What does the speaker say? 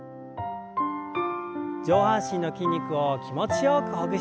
上半身の筋肉を気持ちよくほぐしてください。